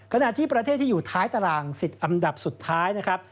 ขณะที่ประเทศที่อยู่ท้ายตาราง๑๐อันดับสุดท้ายนะครับ